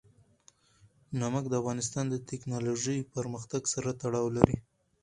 نمک د افغانستان د تکنالوژۍ پرمختګ سره تړاو لري.